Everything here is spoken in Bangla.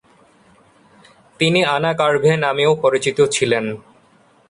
তিনি আনা কারভে নামেও পরিচিত ছিলেন।